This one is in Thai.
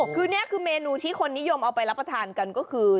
คือนี่คือเมนูที่คนนิยมเอาไปรับประทานกันก็คือ